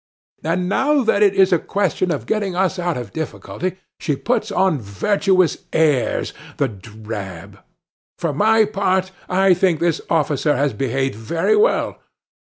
And now that it is a question of getting us out of a difficulty she puts on virtuous airs, the drab! For my part, I think this officer has behaved very well.